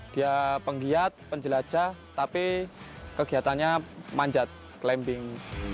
dia penggiat penjelajah tapi kegiatannya manjat climbing